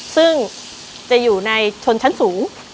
ซึ่งจะอยู่ในชนชั้นสูง